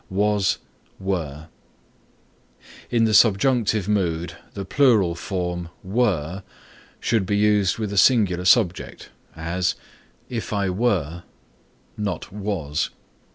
WAS WERE In the subjunctive mood the plural form were should be used with a singular subject; as, "If I were," not was.